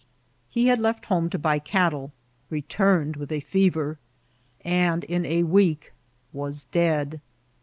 '' He had left home to buy cattle, returned with a fever, and in a week was dead.